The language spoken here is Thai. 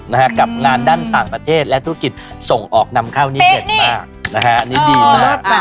นะฮะกับงานด้านต่างประเทศและธุรกิจส่งออกนำเข้านี่เด่นมากนะฮะอันนี้ดีมาก